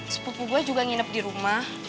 sepuku gue juga nginep di rumah